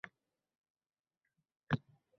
Alloh rizosi uchun pulidan kecha oladigan